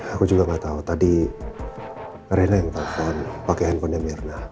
aku juga gak tau tadi reina yang telepon pake handphonenya mirna